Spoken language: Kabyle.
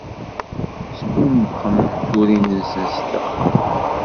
Sbumbxen turin-nsen s ddexxan.